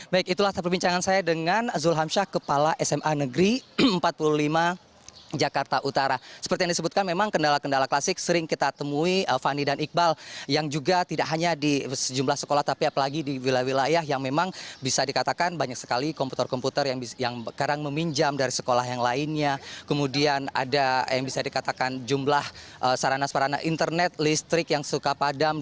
baik itulah terbincangan saya dengan zulham syah kepala sma negeri empat puluh lima jakarta